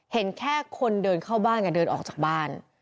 เห็นแค่คนเดินเข้าบ้านเดินออกจากบ้าน